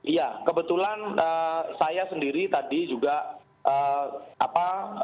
iya kebetulan saya sendiri tadi juga apa